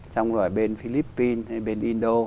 xong rồi bên philippines hay bên indo